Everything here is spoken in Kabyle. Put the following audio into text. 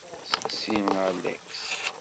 Seqsi Alex.